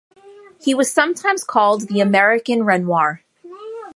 He was sometimes called "the American Renoir".